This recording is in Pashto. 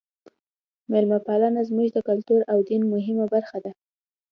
میلمه پالنه زموږ د کلتور او دین یوه مهمه برخه ده.